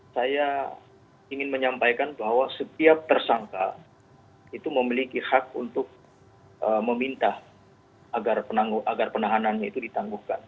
saya ingin menyampaikan bahwa setiap tersangka itu memiliki hak untuk meminta agar penahanannya itu ditangguhkan